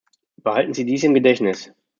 Behalten Sie dies im Gedächtnis.